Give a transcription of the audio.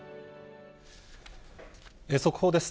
速報です。